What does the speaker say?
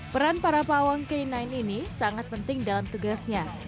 peran para pawang k sembilan ini sangat penting dalam tugasnya